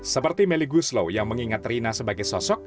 seperti meli guslo yang mengingat rina sebagai sosok